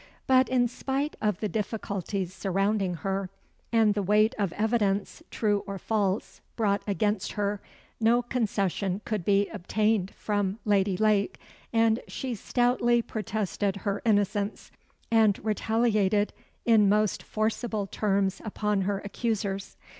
But in spite of the difficulties surrounding her, and the weight of evidence, true or false, brought against her, no concession could be obtained from Lady Lake, and she stoutly protested her innocence, and retaliated in most forcible terms upon her accusers.